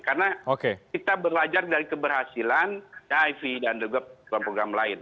karena kita belajar dari keberhasilan hiv dan program lain